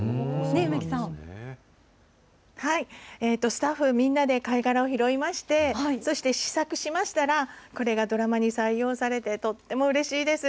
スタッフみんなで貝殻を拾いまして、そして試作しましたら、これがドラマに採用されて、とってもうれしいです。